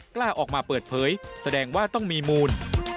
กล้าออกมาเปิดเผยแสดงว่าต้องมีมูล